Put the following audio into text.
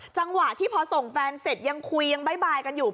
จังหวะที่พอส่งแฟนเสร็จยังคุยยังบ๊ายกันอยู่